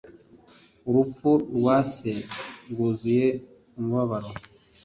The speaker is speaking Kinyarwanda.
Urupfu rwa se rwuzuye umubabaro.